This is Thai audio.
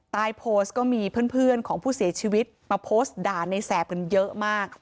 ใต้โพสต์ก็มีเพื่อนของผู้เสียชีวิตมาโพสต์ด่าในแสบกันเยอะมาก